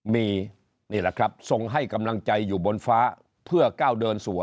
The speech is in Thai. มีนี่แหละครับทรงให้กำลังใจอยู่บนฟ้าเพื่อก้าวเดินสู่